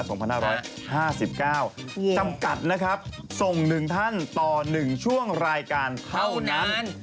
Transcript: จำกัดนะครับส่ง๑ท่านต่อ๑ช่วงรายการเท่านั้น